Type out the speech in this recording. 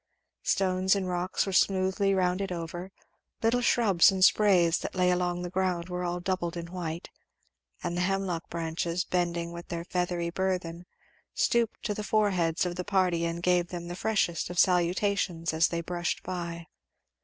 Stones and rocks were smoothly rounded over, little shrubs and sprays that lay along the ground were all doubled in white; and the hemlock branches, bending with their feathery burthen, stooped to the foreheads of the party and gave them the freshest of salutations as they brushed by.